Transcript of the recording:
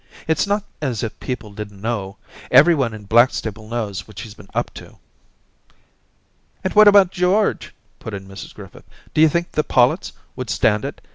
It's not as if people didn't know ; everyone in Blackstable knows what she's been up to.' 'And what about George?' put in Mrs Griffith. *D'you think the PoUetts would stand it